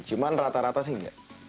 cuman rata rata sih enggak